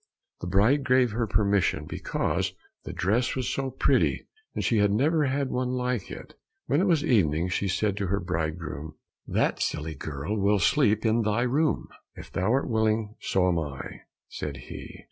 The bride gave her permission because the dress was so pretty, and she had never had one like it. When it was evening she said to her bridegroom, "That silly girl will sleep in thy room." "If thou art willing so am I," said he.